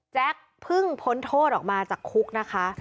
แจ๊กเพิ่งพ้นโทษออกมาจากคุก